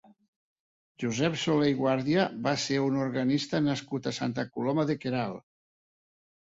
Josep Soler i Guàrdia va ser un organista nascut a Santa Coloma de Queralt.